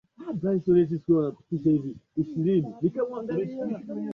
Safia Hashim ni miongoni mwa wanawake waliofaidika sana na kilimo cha mwani visiwani Zanzibar